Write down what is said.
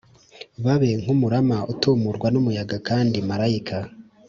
Babe nk’umurama utumurwa n’umuyaga kandi marayika